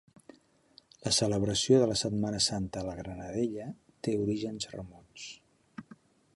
La celebració de la Setmana Santa a la Granadella té orígens remots.